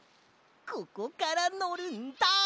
ここからのるんだ！